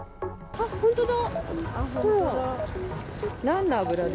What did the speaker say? あ、本当だ。